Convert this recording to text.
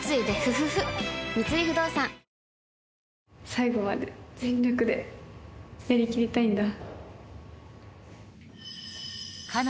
最後まで、全力でやりきりたいんだ。